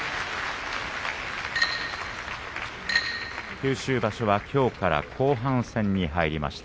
九州場所はきょうから後半戦に入りました。